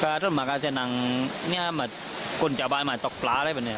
ก็ท่วดมาก็จะนั่งเนี่ยแบบคนจากบ้านมาตกปลาได้ป่ะเนี่ย